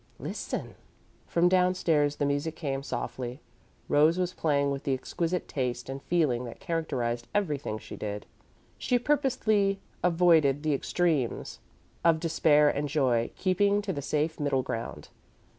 "Listen!" From downstairs the music came softly. Rose was playing with the exquisite taste and feeling that characterised everything she did. She purposely avoided the extremes of despair and joy, keeping to the safe middle ground.